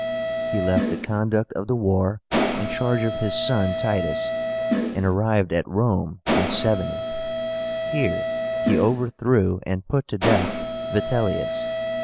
He left the conduct of the war in charge of his son Titus, and arrived at Rome in 70. Here he overthrew and put to death Vitellius.